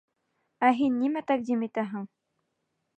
Ә һин нимә тәҡдим итәһең?